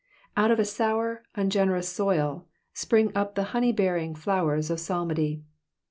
Out of a sour^ ungenerous soil spring up the haney beariruj flowers of psalmod)f.